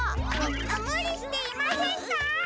むりしていませんか？